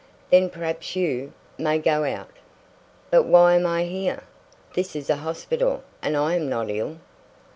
"Then perhaps you may go out." "But why am I here? This is a hospital, and I am not ill."